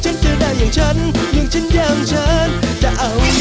แล้วก็เดี๋ยวเอาไปตาก